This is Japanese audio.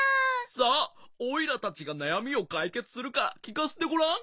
さあおいらたちがなやみをかいけつするからきかせてごらん。